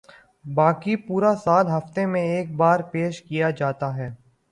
باقی پورا سال ہفتے میں ایک بار پیش کیا جاتا ہے